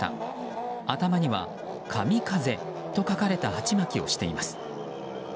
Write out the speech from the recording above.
頭には「神風」と書かれた鉢巻きをしています。